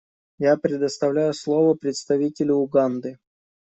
Я предоставляю слово представителю Уганды.